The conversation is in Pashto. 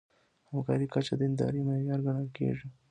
همکارۍ کچه د دیندارۍ معیار ګڼل کېږي.